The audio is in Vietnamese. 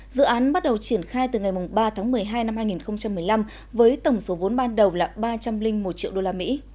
dự án bắt đầu triển khai từ ngày ba tháng một mươi hai năm hai nghìn một mươi năm với tổng số vốn ban đầu là ba trăm linh một triệu đô la mỹ